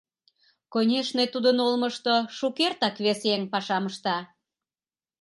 Конешне, тудын олмышто шукертак вес еҥ пашам ышта.